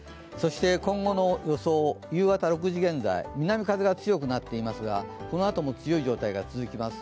今後の予想、夕方６時現在、南風が強くなってますが、このあとも強い状態が続きます。